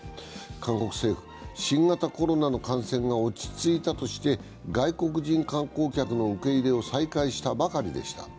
韓国政府、新型コロナの感染が落ち着いたとして外国人観光客の受け入れを再開したばかりでした。